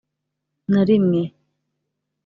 na rimwe